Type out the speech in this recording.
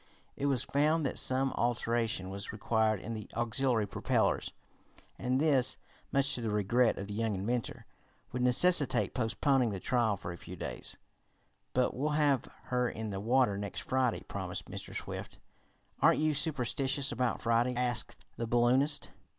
It was found that some alteration was required in the auxiliary propellers, and this, much to the regret of the young inventor, would necessitate postponing the trial a few days. "But we'll have her in the water next Friday," promised Mr. Swift. "Aren't you superstitious about Friday?" asked the balloonist.